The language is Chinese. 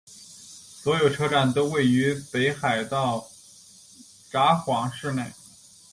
所有车站都位于北海道札幌市内。